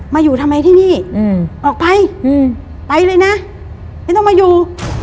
อยู่ทำไมที่นี่ออกไปไปเลยนะไม่ต้องมาอยู่